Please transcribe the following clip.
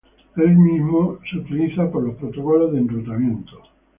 El mismo es utilizado por los protocolos de enrutamiento.